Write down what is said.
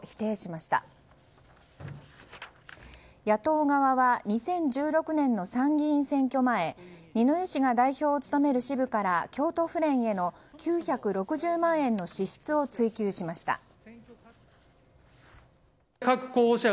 野党側は２０１６年の参議院選挙前二之湯氏が代表を務める支部から京都府連への９６０万円の支出を追及しました。